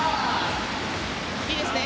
いいですね。